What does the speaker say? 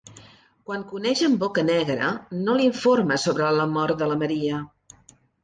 Quan coneix en Boccanegra, no l'informa sobre la mort de la Maria.